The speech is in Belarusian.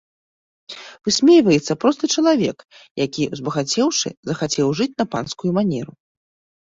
Высмейваецца просты чалавек, які, узбагацеўшы, захацеў жыць на панскую манеру.